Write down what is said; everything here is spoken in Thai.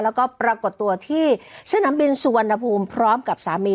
แล้วก็ปรากฏตัวที่สนามบินสุวรรณภูมิพร้อมกับสามี